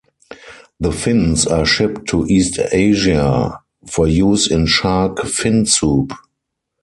The fins are shipped to East Asia for use in shark fin soup.